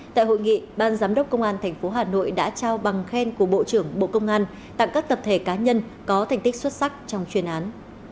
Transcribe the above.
tại hội nghị ban giám đốc công an tp hà nội đã trao bằng khen của bộ trưởng bộ công an tặng các tập thể cá nhân có thành tích xuất sắc trong chuyên án